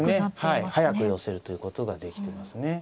速く寄せるということができてますね。